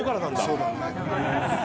そうだね。